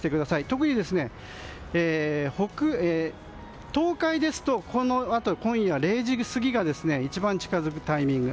特に、東海ですとこのあと今夜０時過ぎが一番近づくタイミング。